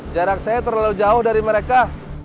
jarak saya terlalu jauh dari mereka